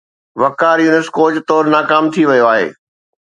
وقار Younis coach طور ناڪام ٿي ويو آهي.